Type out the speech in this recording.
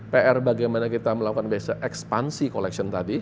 pr bagaimana kita melakukan biasa ekspansi collection tadi